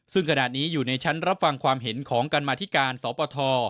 ซึ่งขณะนี้อยู่ในชั้นรับฟังความเห็นของกรรมาธิการสปท